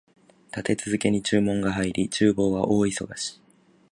立て続けに注文が入り、厨房は大忙し